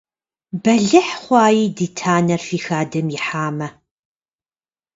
Бэлыхь хъуаи ди танэр фи хадэм ихьамэ!